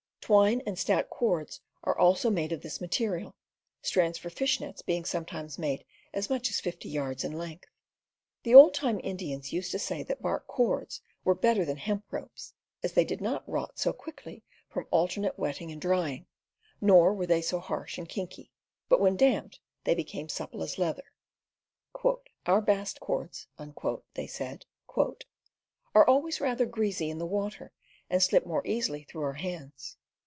Twine and stout cords are also made of this material, strands for fish nets being sometimes made as much as fifty yards in length. The old time Indians used to say that bark cords were better than hemp ropes, as they did not rot so quickly from alternate wetting and drying, nor were they so harsh and kinky, but, when damped, became as supple as leather. "Our bast cords," they said, "are always rather greasy in the water, and slip more easily through our hands.